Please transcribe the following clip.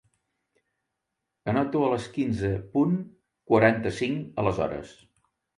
Anoto a les quinze punt quaranta-cinc aleshores.